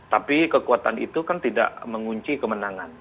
tapi kekuatan itu kan tidak mengunci kemenangan